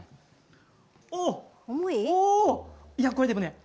おお、これでもね